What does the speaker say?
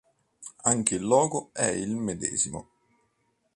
Anche il logo è il medesimo.